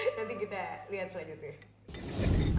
nanti kita lihat selanjutnya